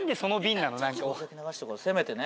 せめてね。